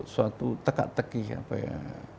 ini suatu tekak tekik apa ya